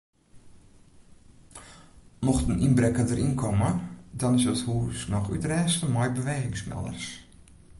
Mocht in ynbrekker deryn komme dan is it hûs noch útrêste mei bewegingsmelders.